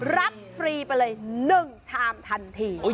รับฟรีไปเลย๑ชามทันที